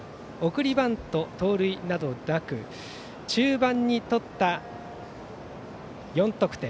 送りバント、盗塁などなく中盤にとった４得点。